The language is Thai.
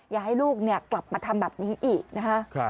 อย่าให้ลูกกลับมาทำแบบนี้อีกนะคะ